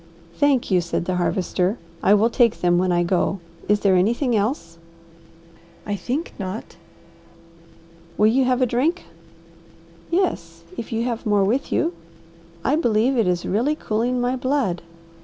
"Thank you," said the Harvester. "I will take them when I go. Is there anything else?" "I think not." "Will you have a drink?" "Yes, if you have more with you. I believe it is really cooling my blood."